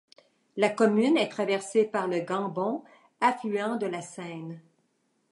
La commune est traversée par le Gambon, affluent de la Seine.